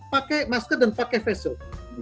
pakai masker dan pakai facial